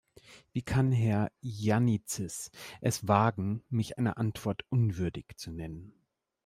Wie kann Herr Yiannitsis es wagen, mich einer Antwort unwürdig zu nennen.